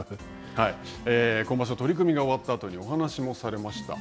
今場所取組が終わったあとにお話もされました。